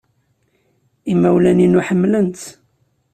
Imawlan-inu ḥemmlen-tt.